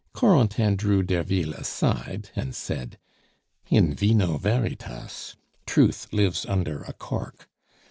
Corentin drew Derville aside and said: "In vino veritas! Truth lives under a cork.